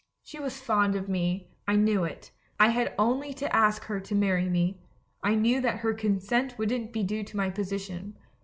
"She was fond of me; I knew it. I had only to ask her to marry me — I knew that her consent wouldn't be due to my position.